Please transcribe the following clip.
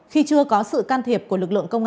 khi chưa có sự can thiệp của lực lượng công an